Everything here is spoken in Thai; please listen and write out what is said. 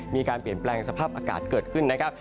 มีการเปลี่ยนแปลงสภาพอากาศเกิดขึ้นนะครับ